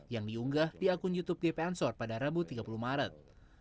yang diunggah di akun youtube gp ansor pada rabu tiga puluh maret